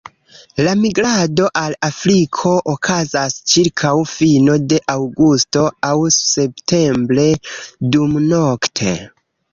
La migrado al Afriko okazas ĉirkaŭ fino de aŭgusto aŭ septembre, dumnokte.